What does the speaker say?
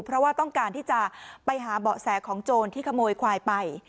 เพราะว่าต้องการที่จะไปหาเบาะแสของโจรที่ขโมยควายไป